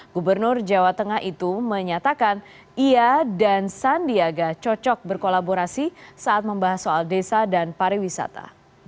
gubernur jawa tengah itu menyatakan ia dan sandiaga cocok berkolaborasi saat membahas soal desa dan pariwisata